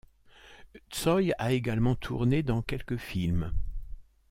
Tsoï a également tourné dans quelques films.